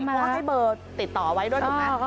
เพราะว่าให้เบอร์ติดต่อไว้ด้วยถูกไหม